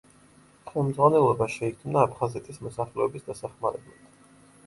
ხელმძღვანელობა შეიქმნა აფხაზეთის მოსახლეობის დასახმარებლად.